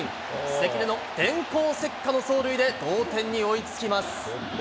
関根の電光石火の走塁で同点に追いつきます。